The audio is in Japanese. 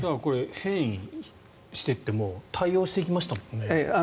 変異していっても対応していきましたもんね。